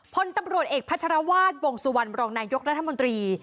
พลตำรวจเอกพัชรวาสวงสุวรรณรองนายกรัฐมนตรี